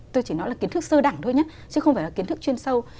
tôi chỉ nói là kiến thức sơ đẳng thôi nhé chứ không phải là kiến thức chuyên sâu